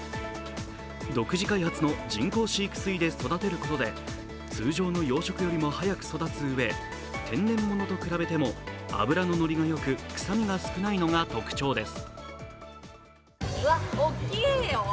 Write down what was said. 独自開発の人工飼育水で育てることで通常の養殖よりも早く育つうえ、天然物と比べても脂のノリがよく、臭みが少ないのが特徴です。